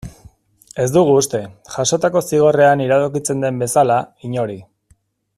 Ez dugu uste, jasotako zigorrean iradokitzen den bezala, inori.